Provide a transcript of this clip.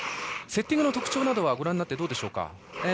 セッティングの特徴などはどうでしょうか。